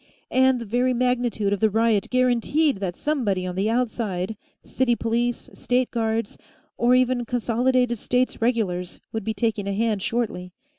And the very magnitude of the riot guaranteed that somebody on the outside, city police, State guards, or even Consolidated States regulars, would be taking a hand shortly.